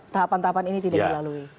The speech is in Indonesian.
tahapan tahapan ini tidak dilalui